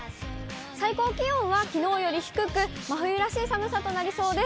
最高気温はきのうより低く、真冬らしい寒さとなりそうです。